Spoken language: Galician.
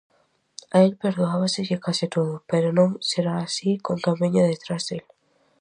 A el perdoábaselle case todo, pero non será así con quen veña detrás del.